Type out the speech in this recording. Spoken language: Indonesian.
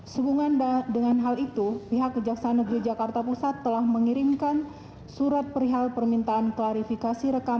sehubungan dengan hal itu pihak kejaksaan negeri jakarta pusat telah mengirimkan surat perihal permintaan klarifikasi rekam